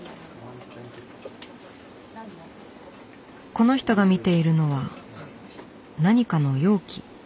この人が見ているのは何かの容器。